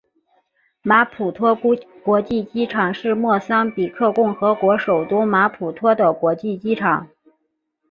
马普托国际机场是莫桑比克共和国首都马普托的国际机场。